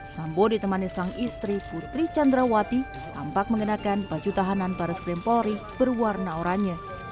sambo ditemani sang istri putri candrawati tampak mengenakan baju tahanan para skrimpori berwarna oranye